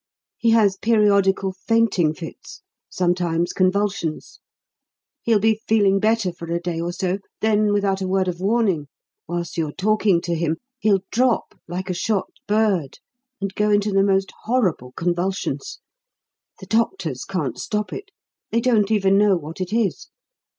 He has periodical fainting fits, sometimes convulsions. He'll be feeling better for a day or so; then, without a word of warning, whilst you're talking to him, he'll drop like a shot bird and go into the most horrible convulsions. The doctors can't stop it; they don't even know what it is.